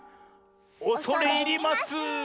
おそれいります。